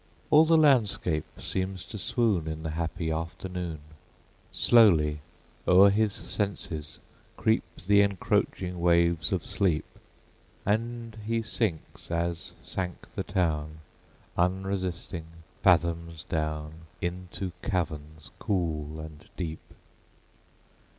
All the landscape seems to swoon In the happy afternoon; Slowly o'er his senses creep The encroaching waves of sleep, And he sinks as sank the town, Unresisting, fathoms down, Into caverns cool and deep!